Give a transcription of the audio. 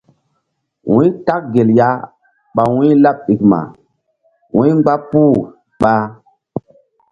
Wu̧y tak gel ya ɓa wu̧y̧-laɓ ɗikma wu̧y mgba puh ɓa.